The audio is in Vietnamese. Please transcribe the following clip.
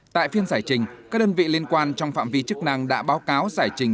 tại phiên giải trình các đơn vị liên quan trong phạm vi chức năng đã báo cáo giải trình